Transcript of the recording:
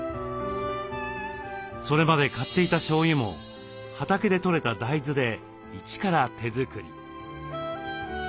それまで買っていたしょうゆも畑でとれた大豆で一から手作り。